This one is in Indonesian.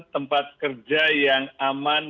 tempat kerja yang aman